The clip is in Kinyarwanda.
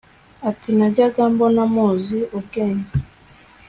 ati: najyaga mbona muzi ubwenge